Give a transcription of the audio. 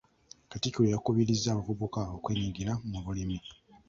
Katikkiro yakubirizza abavubuka okwenyigira mu bulimi.